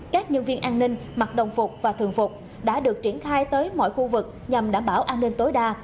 các nhân viên an ninh mặt đồng phục và thường phục đã được triển khai tới mọi khu vực nhằm đảm bảo an ninh tối đa